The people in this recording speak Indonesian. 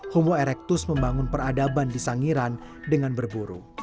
homo erectus membangun peradaban di sangiran dengan berburu